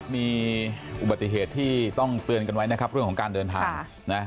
มีอุบัติเหตุที่ต้องเตือนกันไว้นะครับเรื่องของการเดินทางนะ